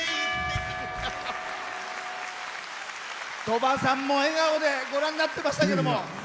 鳥羽さんも笑顔でご覧になってましたけども。